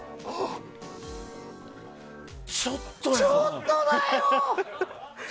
ちょっとだよ！